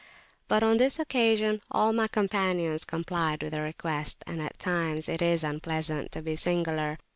But on this occasion all my companions complied with the request, and at times it is unpleasant to be singular.